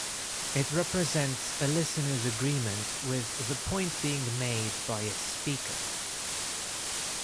It represents a listener's agreement with the point being made by a speaker.